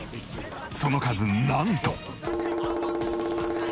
その数なんと。